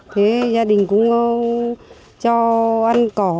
thế gia đình cũng cho ăn cỏ